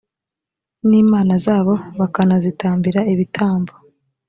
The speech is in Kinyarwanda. n imana zabo bakanazitambira ibitambo